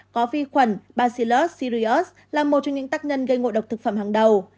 có vi khuẩn bacillus syrius là một trong những tác nhân gây ngộ độc thực phẩm hàng đầu